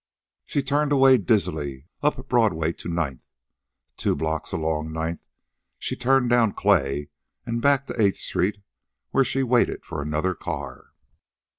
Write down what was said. She turned away dizzily, up Broadway to Ninth. Two blocks along Ninth, she turned down Clay and back to Eighth street, where she waited for another car.